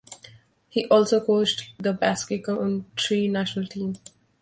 He also coached the Basque Country national team.